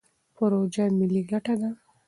پروژه ملي ګټه ده.